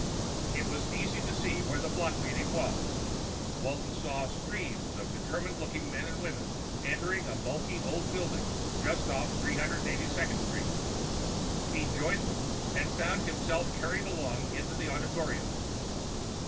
It was easy to see where the block meeting was; Walton saw streams of determined looking men and women entering a bulky old building just off 382nd Street. He joined them and found himself carried along into the auditorium.